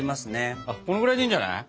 このぐらいでいいんじゃない？